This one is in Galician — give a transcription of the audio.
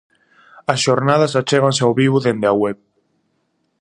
As xornadas achéganse ao vivo dende a web.